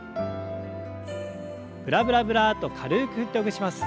ブラブラブラッと軽く振ってほぐします。